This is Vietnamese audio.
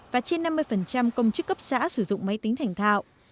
và trên năm mươi công chức cấp xã sử dụng máy tính thành thạo